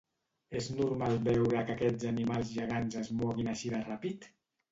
És normal veure que aquests animals gegants es moguin així de ràpid?